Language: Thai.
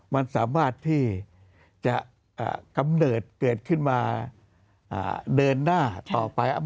มันสามารถที่จะกำเนิดเกิดขึ้นมาเดินหน้าต่อไป